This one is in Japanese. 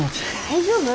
大丈夫？